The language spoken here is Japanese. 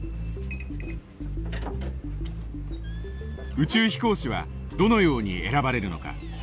宇宙飛行士はどのように選ばれるのか。